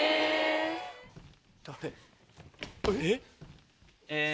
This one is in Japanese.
・誰？